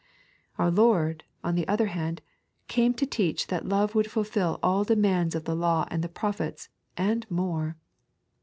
Out Lord, on the other hand, came to teach that love would fulfil all demands of the taw and the prophets, otvI more.